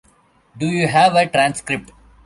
Do you have a transcript?